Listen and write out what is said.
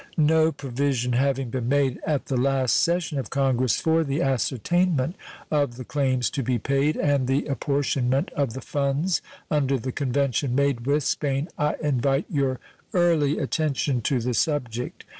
No provision having been made at the last session of Congress for the ascertainment of the claims to be paid and the apportionment of the funds under the convention made with Spain, I invite your early attention to the subject.